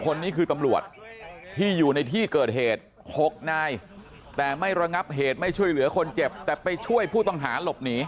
คนนี้คือตำรวจที่อยู่ในที่เกิดเหตุ๖นายแต่ไม่ระงับเหตุไม่ช่วยเหลือคนเจ็บแต่ไปช่วยผู้ต้องหาหลบหนี